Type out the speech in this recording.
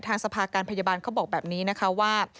ทางสภาการพยาบาลเขาบอกแบบนี้นะคะว่า